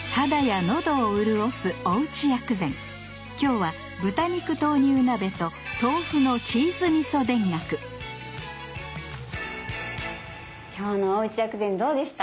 今日は今日のおうち薬膳どうでした？